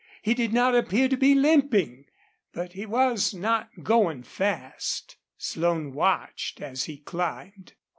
He did not appear to be limping, but he was not going fast. Slone watched as he climbed.